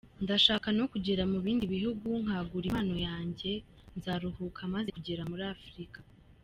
Ndashaka no kugera mu bindi bihugu nkagura impano yanjye, nzaruhuka maze kugera muri Afurika.